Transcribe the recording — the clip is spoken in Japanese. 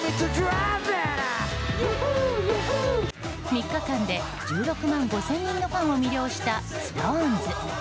３日間で、１６万５０００人のファンを魅了したＳｉｘＴＯＮＥＳ。